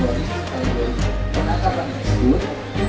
hari ini penangkapan tersebut